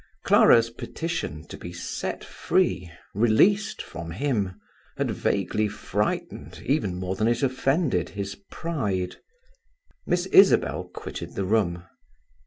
Clara's petition to be set free, released from him, had vaguely frightened even more than it offended his pride. Miss Isabel quitted the room.